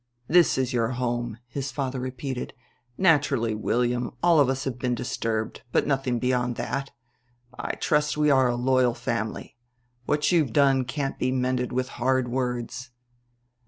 "This is your home," his father repeated. "Naturally William, all of us have been disturbed; but nothing beyond that. I trust we are a loyal family. What you've done can't be mended with hard words."